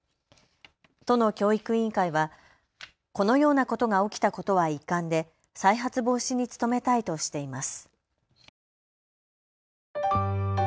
都の教育委員会はこのようなことが起きたことは遺憾で再発防止に努めたいとしています。